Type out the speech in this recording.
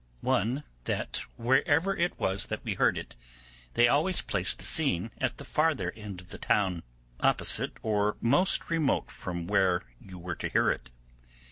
First, that wherever it was that we heard it, they always placed the scene at the farther end of the town, opposite or most remote from where you were to hear it.